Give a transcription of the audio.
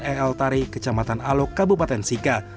di jalan ealtari kecamatan alok kabupaten sika